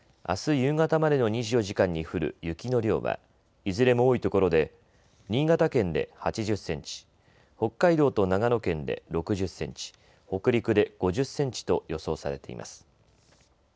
あす夕方までの２４時間に降る雪の量はいずれも多い所で新潟県で８０センチ、北海道と長野県で６０センチ、北陸で５０センチと予想されています。